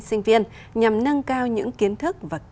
sinh viên nhằm nâng cao những kiến thức